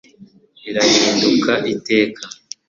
irahinduka iteka